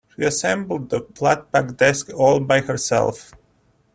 She assembled the flat-pack desk all by herself.